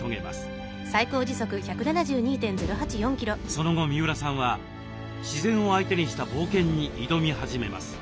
その後三浦さんは自然を相手にした冒険に挑み始めます。